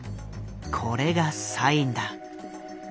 これがサインだ。